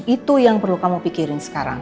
itu yang perlu kamu pikirin sekarang